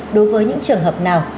đối với những trường hợp nào